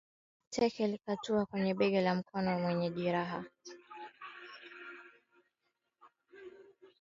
Teke likatua kwenye bega la mkono wenye jeraha